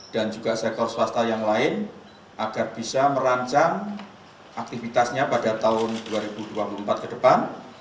dan juga sektor swasta yang lain agar bisa merancang aktivitasnya pada tahun dua ribu dua puluh empat ke depan